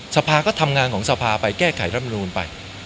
สภาก็ทำงานของสภาไปแก้ไขรำนูนไป